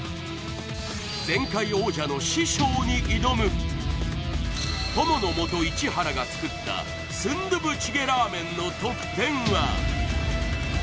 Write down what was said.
前回王者の師匠に挑むとものもと市原が作ったスンドゥブチゲラーメンの得点は？